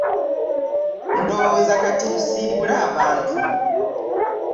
Ndowooza kati tusiibule abantu.